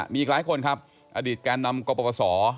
มีอีกหลายคนครับอดีตการนำกฎประสอบ